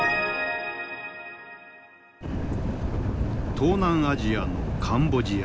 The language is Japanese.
東南アジアのカンボジア。